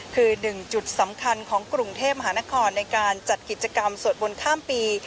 คือหนึ่งจุดสำคัญของกรุงเทพมหานครในการจัดกิจกรรมสวดมนต์ข้ามปี